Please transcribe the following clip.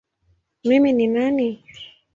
Mimi ni nani?